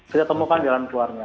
kita temukan jalan keluarnya